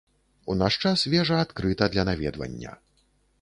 У наш час вежа адкрыта для наведвання.